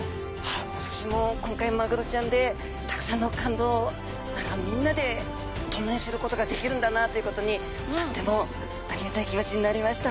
私も今回マグロちゃんでたくさんの感動をみんなで共にすることができるんだなということにとってもありがたい気持ちになりました。